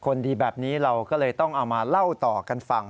คนดีแบบนี้เราก็เลยต้องเอามาเล่าต่อกันฟัง